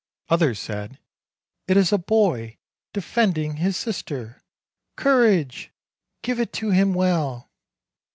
Others said, "It is a boy defending his sister; courage! give it to him well!"